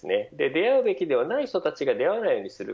出会うべきではない人たちが出会わないようにする。